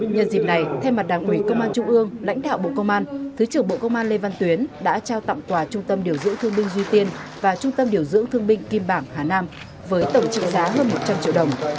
nhân dịp này thay mặt đảng ủy công an trung ương lãnh đạo bộ công an thứ trưởng bộ công an lê văn tuyến đã trao tặng quà trung tâm điều dưỡng thương binh duy tiên và trung tâm điều dưỡng thương binh kim bảng hà nam với tổng trị giá hơn một trăm linh triệu đồng